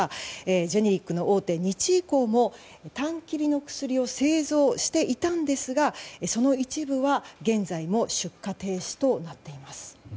ジェネリックの大手日医工もたん切りの薬を製造していたんですがその一部は現在も出荷停止となっています。